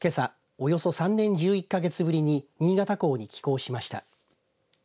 およそ３年１１か月ぶりに新潟港に寄港しました。